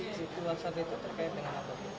waktu whatsapp itu terkait dengan apa